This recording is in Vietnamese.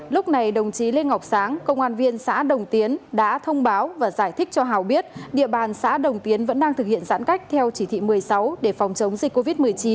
lúc này đồng chí lê ngọc sáng công an viên xã đồng tiến đã thông báo và giải thích cho hào biết địa bàn xã đồng tiến vẫn đang thực hiện giãn cách theo chỉ thị một mươi sáu để phòng chống dịch covid một mươi chín